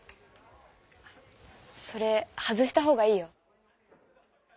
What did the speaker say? それ外した方がいいよ。